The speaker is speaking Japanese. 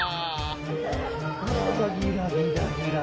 ギラギラギラ。